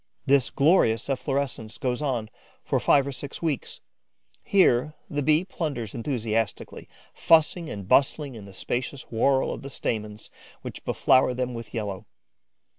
This glorious efflorescence goes on for five or six weeks. Here, the Bees plunder enthusiastically, fussing and bustling in the spacious whorl of the stamens, which beflour them with yellow.